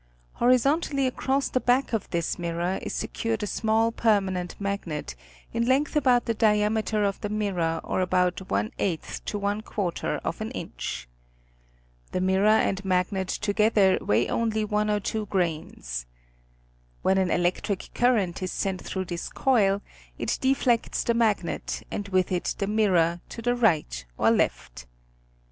Horizontally across the back of this mirror is secured a small permanent magnet, in length about the diameter of the mirror or about one eighth to one quarter of an inch. The mirror and magnet together weigh only one or two grains. When an electric current is sent through this coil it deflects the magnet and with it the mirror to the right or left.